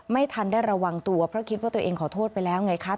ไม่ทันได้ระวังตัวเพราะคิดว่าตัวเองขอโทษไปแล้วไงคะ